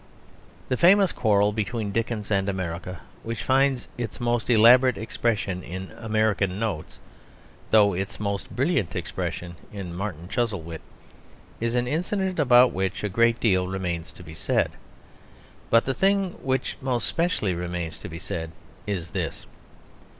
The famous quarrel between Dickens and America, which finds its most elaborate expression in American Notes, though its most brilliant expression in Martin Chuzzlewit, is an incident about which a great deal remains to be said. But the thing which most specially remains to be said is this.